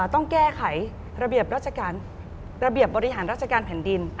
ต้องแก้ไขระเบียบรอริหารรัฐการแผ่นดิน